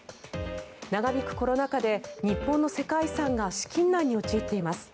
長引くコロナ禍で日本の世界遺産が資金難に陥っています。